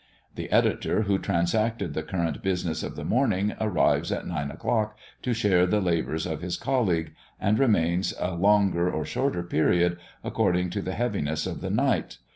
The editor who transacted the current business of the morning arrives at nine o'clock to share the labours of his colleague, and remains a longer or shorter period, according to the heaviness of the night.